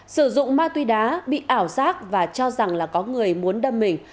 sử dụng ma tuy đá bị ảo sát và cho rằng là có người muốn đâm mình